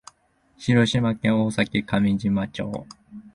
広島県大崎上島町